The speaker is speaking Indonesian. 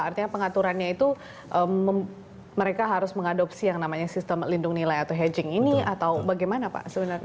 artinya pengaturannya itu mereka harus mengadopsi yang namanya sistem lindung nilai atau hedging ini atau bagaimana pak sebenarnya